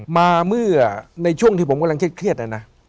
มาเมื่อในช่วงที่ผมกำลังเครียดนะนะ